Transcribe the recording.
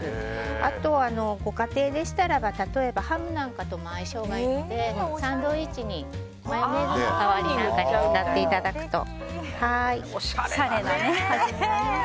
あとはご家庭でしたら例えばハムなんかとも相性がいいのでサンドイッチにマヨネーズの代わりにおしゃれだね。